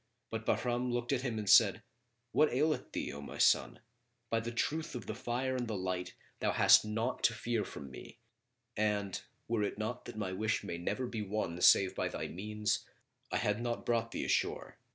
But Bahram looked at him and said, "What aileth thee, O my son? By the truth of the Fire and the Light, thou hast naught to fear from me; and, were it not that my wish may never be won save by thy means, I had not brought thee ashore.